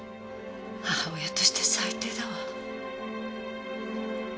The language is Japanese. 母親として最低だわ。